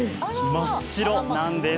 真っ白なんです。